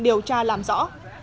điều tra làm rõ